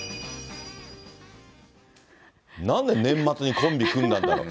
なんで年末にコンビ組んだんだろう？